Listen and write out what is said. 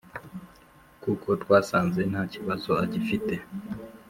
kuko twasanze ntakibazo agifite